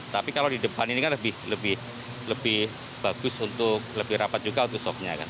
tapi kalau di depan ini kan lebih bagus untuk lebih rapat juga untuk soknya kan